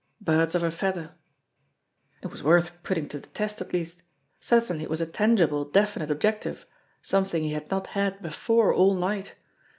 Birds of a feather ! It was worth putting to the test, at least. Certainly it was a tangible, definite objective something he had not had before all night.